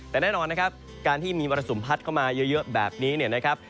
แต่แน่นอนนะครับการที่มีมรสุมพัดเข้ามาเยอะแบบนี้เนี่ยนะครับ